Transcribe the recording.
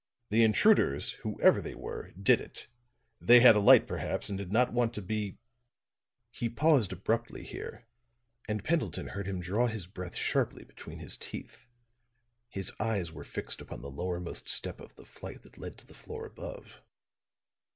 The intruders, whoever they were, did it; they had a light, perhaps, and did not want to be " He paused abruptly here, and Pendleton heard him draw his breath sharply between his teeth; his eyes were fixed upon the lowermost step of the flight that led to the floor above.